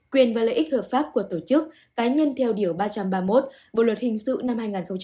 quyền và lợi ích hợp pháp của tổ chức cá nhân theo điều ba trăm ba mươi một bộ luật hình sự năm hai nghìn một mươi năm